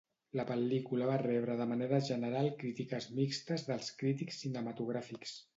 La pel·lícula va rebre de manera general crítiques mixtes dels crítics cinematogràfics.